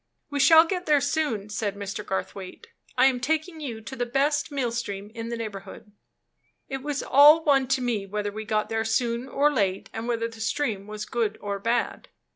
"We shall soon get there," said Mr. Garthwaite. "I am taking you to the best mill stream in the neighborhood." It was all one to me whether we got there soon or late and whether the stream was good or bad.